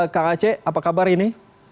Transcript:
kang aceh apa kabar ini